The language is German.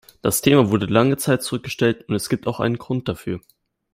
Das Thema wurde lange Zeit zurückgestellt, und es gibt auch einen Grund dafür.